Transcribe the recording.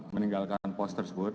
meninggalkan pos tersebut